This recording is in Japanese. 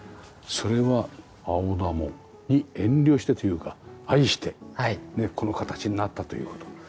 それはアオダモに遠慮してというか愛してこの形になったという事。